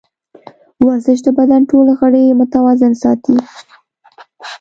ورزش د بدن ټول غړي متوازن ساتي.